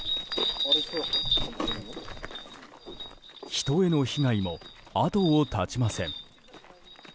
人への被害も後を絶ちません。